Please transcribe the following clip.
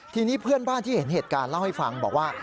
ทีนี้เพื่อนบ้านที่เห็นเหตุการณ์เล่าให้ฟังบอกว่า